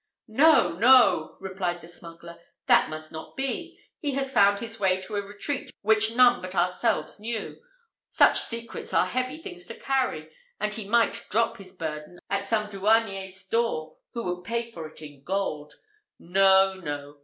"No, no!" replied the smuggler, "that must not be. He has found his way to a retreat which none but ourselves knew; such secrets are heavy things to carry, and he might drop his burden at some douanier's door who would pay for it in gold. No, no!